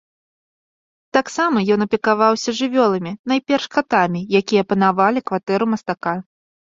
Таксама ён апекаваўся жывёламі, найперш катамі, якія апанавалі кватэру мастака.